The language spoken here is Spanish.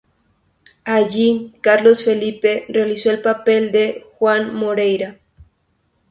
Allí Carlos Felipe realizó el papel de Juan Moreira.